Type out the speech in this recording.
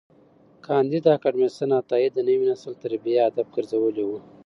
کانديد اکاډميسن عطایي د نوي نسل تربیه هدف ګرځولي وه.